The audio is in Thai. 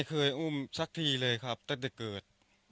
เคยอุ้มสักทีเลยครับตั้งแต่เกิด